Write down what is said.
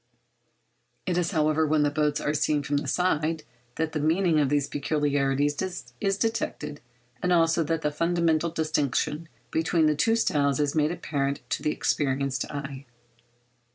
It is, however, when the boats are seen from the side that the meaning of these peculiarities is detected, and also that the fundamental distinction between the two styles is made apparent to the experienced eye.